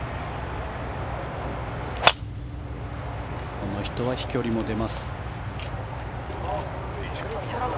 この人は飛距離も出ます。